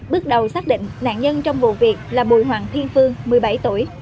bước đầu xác định nạn nhân trong vụ việc là bùi hoàng thiên phương một mươi bảy tuổi